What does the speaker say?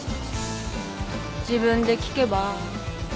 自分で聞けば？